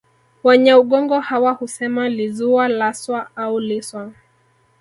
Wanyaugogo hawa husema lizuwa laswa au liswa